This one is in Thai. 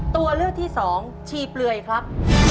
ตัวเลือกที่สองชีเปลือยครับ